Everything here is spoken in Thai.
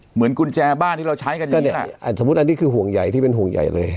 กุญแจบ้านที่เราใช้กันเนี่ยสมมุติอันนี้คือห่วงใหญ่ที่เป็นห่วงใหญ่เลย